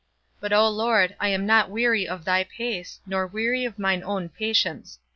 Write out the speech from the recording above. But O Lord, I am not weary of thy pace, nor weary of mine own patience.